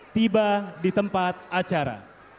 tiba di tempat acara